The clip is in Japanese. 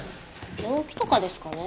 病気とかですかねえ？